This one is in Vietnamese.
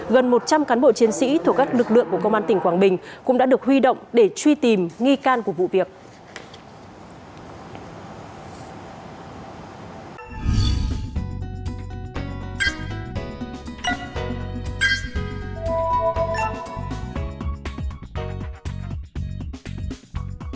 gần một trăm linh cán bộ chiến sĩ thuộc các lực lượng của công an tỉnh quảng bình cũng đã được huy động để truy tìm nghi can của vụ việc